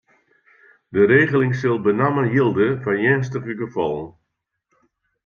De regeling sil benammen jilde foar earnstige gefallen.